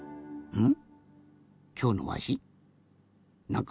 うん。